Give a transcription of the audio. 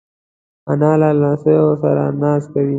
انا له لمسیو سره ناز کوي